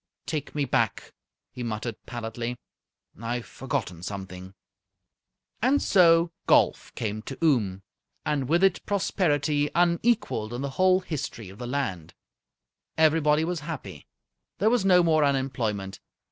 "Take me back," he muttered, pallidly. "I've forgotten something!" And so golf came to Oom, and with it prosperity unequalled in the whole history of the land. Everybody was happy. There was no more unemployment.